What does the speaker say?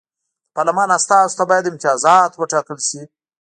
د پارلمان استازو ته باید امتیازات وټاکل شي.